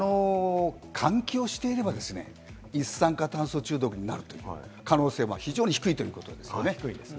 換気をしていれば一酸化炭素中毒になるという可能性は非常に低いということですね。